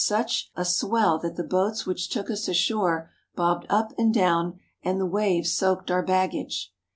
THE CITY OF JONAH swell that the boats which took us ashore bobbed up and down and the waves soaked our baggage.